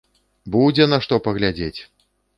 Будзе, на што паглядзець!